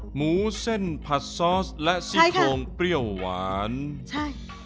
หมูเส้นผัดซอสและซี่โครงเปรี้ยวหวานใช่